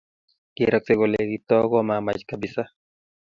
Kerakse kole Kiptoo komamach kapisa